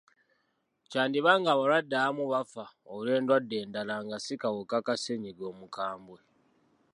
Kyandiba ng'abalwadde abamu bafa olw'endwadde endala nga si kawuka ka ssenyiga omukambwe.